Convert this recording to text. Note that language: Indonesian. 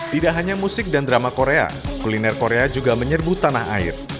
tidak hanya musik dan drama korea kuliner korea juga menyerbu tanah air